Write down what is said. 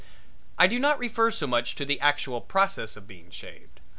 I do not refer so much to the actual process of being shaved.